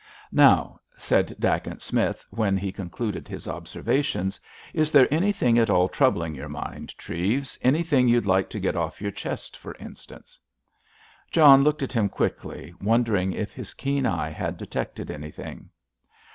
"Now," said Dacent Smith, when he concluded his observations, "is there anything at all troubling your mind, Treves, anything you'd like to get off your chest, for instance?" John looked at him quickly, wondering if his keen eye had detected anything.